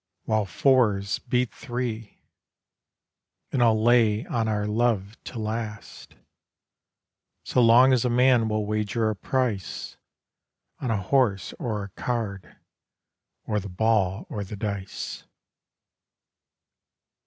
while "fours" beat three; And I'll lay on our love to last, So long as a man will wager a price On a horse or a card or the ball or the dice.